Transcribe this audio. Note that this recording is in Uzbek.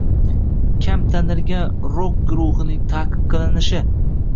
Kam tanilgan rok-guruhining ta’qib qilinishi